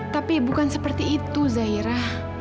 tapi bukan seperti itu zaira